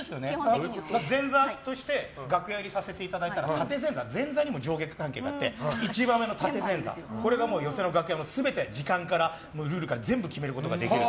前座として楽屋入りさせていただいたら前座にも上下関係があって一番上の立前座が寄席の楽屋全て、時間のルールから決めることができる。